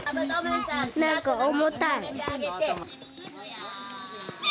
なんか重たい。